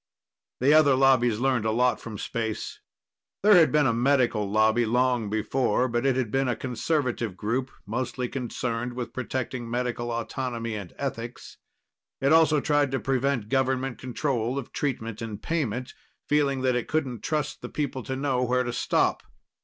The other lobbies learned a lot from Space. There had been a medical lobby long before, but it had been a conservative group, mostly concerned with protecting medical autonomy and ethics. It also tried to prevent government control of treatment and payment, feeling that it couldn't trust the people to know where to stop.